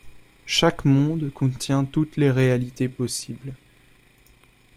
Chaque monde contient toutes les réalités possibles.